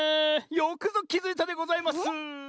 よくぞきづいたでございます。